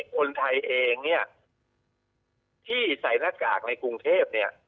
คนไทยเองเนี่ยที่ใส่หน้ากากในกรุงเทพเนี่ย